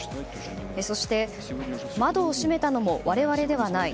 そして窓を閉めたのも我々ではない。